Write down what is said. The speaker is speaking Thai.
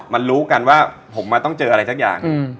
มันรู้กันว่าผมต้องเจออะไรสักอย่าง